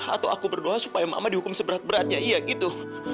atau aku berdoa supaya mama dihukum seberat beratnya iya gitu